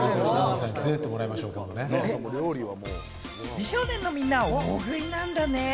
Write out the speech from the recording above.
美少年のみんなは大食いなんだね。